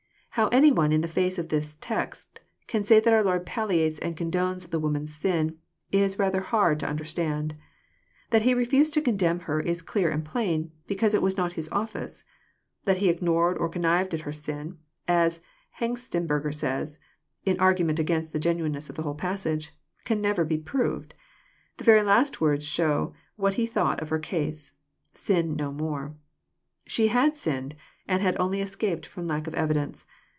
How any one, in the fiu^e of this text, can say that our Lord palliates and condones the woman's sin, it is rather hard to understand:^ That He re Itised to condemn her is clear and plain, because it was not His oCBce. That He ignored or connived at her sin, as Hengsten berg says, (in his argument against the genuineness of the whole passage,) can never be proved. The very Jast words show what he thought of her case:— "Sin no'^ore." She had sinned, and had only escaped from lack of evidence.